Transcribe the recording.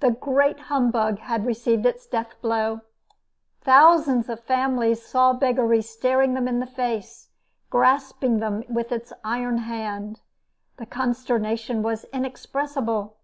The great humbug had received its death blow. Thousands of families saw beggary staring them in the face, grasping them with its iron hand. The consternation was inexpressible.